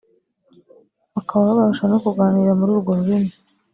bakaba babasha no kuganira muri urwo rurimi